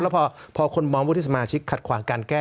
แล้วพอคนมองวุฒิสมาชิกขัดขวางการแก้